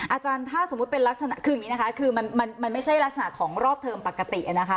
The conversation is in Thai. อาจารย์ถ้าสมมุติเป็นลักษณะคืออย่างนี้นะคะคือมันไม่ใช่ลักษณะของรอบเทอมปกตินะคะ